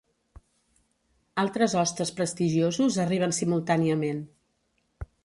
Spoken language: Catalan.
Altres hostes prestigiosos arriben simultàniament.